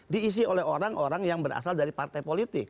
diisi oleh orang orang yang berasal dari partai politik